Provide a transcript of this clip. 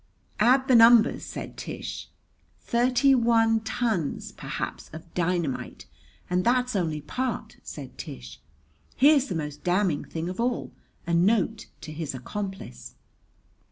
"Add the numbers!" said Tish. "Thirty one tons, perhaps, of dynamite! And that's only part," said Tish. "Here's the most damning thing of all a note to his accomplice!"